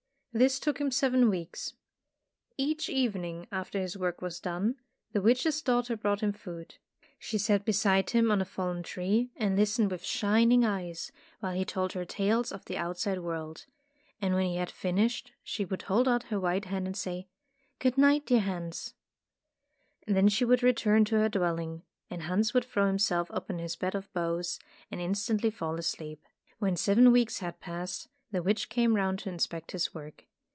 This took him seven weeks. Each evening after his work was done, the witch's daughter brought him food. She sat beside him 153 Tales of Modern Germany on a fallen tree and listened with shining eyes while he told her tales of the outside world. And when he had finished, she would hold out her white hand and say, "Good night, dear Hans." Then she would return to her dwelling, and Hans would throw himself upon his bed of boughs, and instantly fall asleep. When seven weeks had passed, the witch came round to inspect his work.